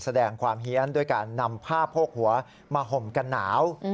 แสดงความเฮียนด้วยการนำผ้าโพกหัวมาห่มกันหนาว